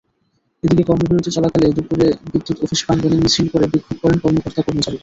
এদিকে কর্মবিরতি চলাকালে দুপুরে বিদ্যুৎ অফিস প্রাঙ্গণে মিছিল করে বিক্ষোভ করেন কর্মকর্তা-কর্মচারীরা।